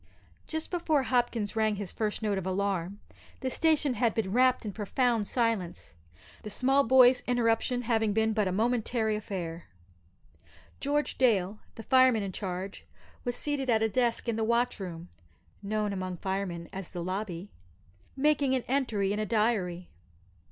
Just before poor Hopkins rang his first note of alarm the station had been wrapt in profound silence the small boy's interruption having been but a momentary affair. George Dale, the fireman in charge, was seated at a desk in the watch room (known among firemen as the "lobby"), making an entry in a diary.